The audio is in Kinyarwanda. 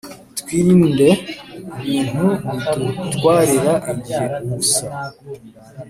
Twirnde ibintu bidutwarira igihe ubusa